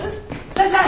先生！